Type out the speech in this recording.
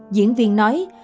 diễn viên nói